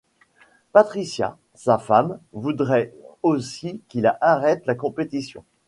Patricia, sa femme, voudrait aussi qu'il arrête la compétition.